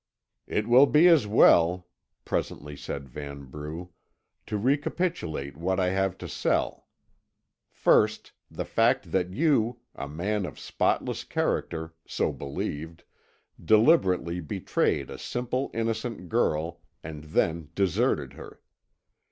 "It will be as well," presently said Vanbrugh, "to recapitulate what I have to sell. First, the fact that you, a man of spotless character so believed deliberately betrayed a simple innocent girl, and then deserted her.